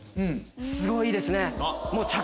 すごいいいですね。